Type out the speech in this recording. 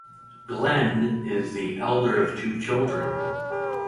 Glenn is the elder of two children.